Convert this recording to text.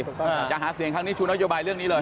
อย่าหาเสียงครั้งนี้ชูนโยบายเรื่องนี้เลย